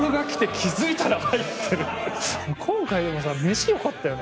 今回でもさ飯よかったよね。